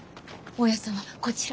大家さんはこちら。